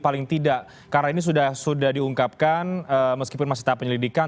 paling tidak karena ini sudah diungkapkan meskipun masih tahap penyelidikan